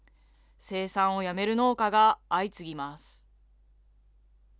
生産を辞める農家が相次ぎます。